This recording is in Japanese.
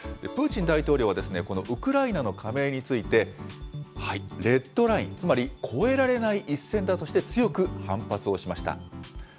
プーチン大統領はこのウクライナの加盟について、レッドライン、つまり越えられない一線だとして強く反発をしました。